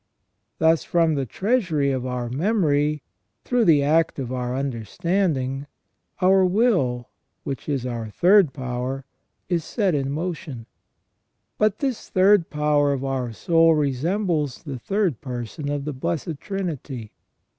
Thus, from the treasury of our memory, through the act of our understanding, our will, which is our third power, is set in motion. But this third power of our soul resembles the third Person of the Blessed Trinity.